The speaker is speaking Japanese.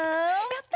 やった！